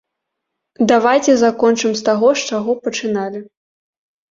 Давайце закончым з таго, з чаго пачыналі.